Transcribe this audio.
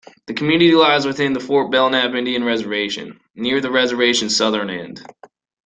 The community lies within the Fort Belknap Indian Reservation, near the reservation's southern end.